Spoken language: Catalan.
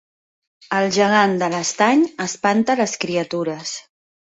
El gegant de l'Estany espanta les criatures